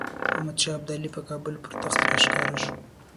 احمدشاه ابدالي په کابل پر تخت راښکاره شو.